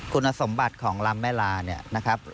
คุณสมบัติของลำแม่ลาเนี่ยนะครับ